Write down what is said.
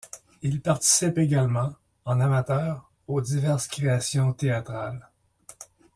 Il participe également, en amateur, aux diverses créations théâtrales.